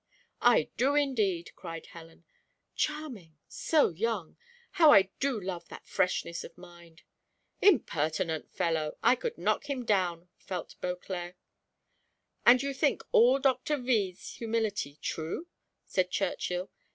"I do, indeed," cried Helen. "Charming so young! How I do love that freshness of mind!" "Impertinent fellow! I could knock him down, felt Beauclerc. "And you think all Doctor V 's humility true?" said Churchill.